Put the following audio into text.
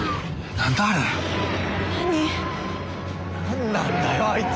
なんなんだよあいつ。